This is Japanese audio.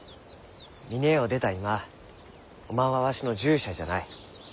峰屋を出た今おまんはわしの従者じゃない。